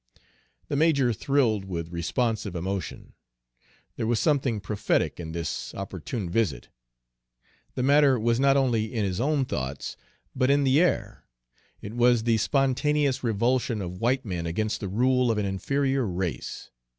The major thrilled with responsive emotion. There was something prophetic in this opportune visit. The matter was not only in his own thoughts, but in the air; it was the spontaneous revulsion of white men against the rule of an inferior race.